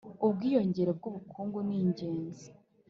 ubwiyongere bw'ubukungu ni ingenzi